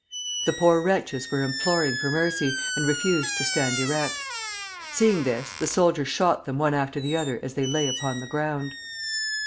The poor wretches were imploring for mercy, and refused to stand erect. Seeing this, the soldiers shot them one after the other as they lay upon the ground.